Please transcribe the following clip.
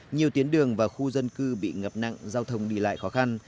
nhiều tuyến đường và khu dân cư bị ngập nặng giao thông đi lại khó khăn